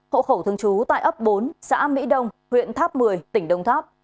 hộ khẩu thương chú tại ấp bốn xã mỹ đông huyện tháp một mươi tỉnh đông tháp